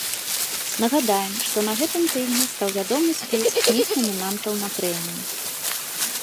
Нагадаем, што на гэтым тыдні стаў вядомы спіс кніг-намінантаў на прэмію.